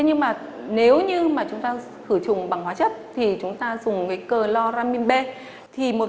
nhưng mà nếu như mà chúng ta khử trùng bằng hóa chất thì chúng ta dùng cái cờ loramin b thì một